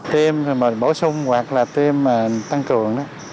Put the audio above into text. tiêm bổ sung hoặc là tiêm tăng cường đó